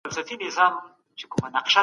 ولي تاسي دغه کوچنی تر اوسه نه دی لیدلی؟